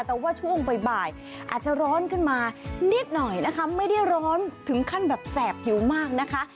แต่ว่าช่วงบ่ายอาจจะร้อนขึ้นมานิดหน่อยนะคะไม่ได้ร้อนถึงขั้นแบบแสบผิวมากนะคะ